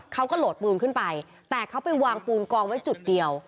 เขาก็โหลดปืนขึ้นไปแต่เขาไปวางปูนกองไว้จุดเดียว